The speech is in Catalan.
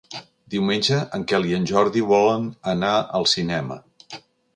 Diumenge en Quel i en Jordi volen anar al cinema.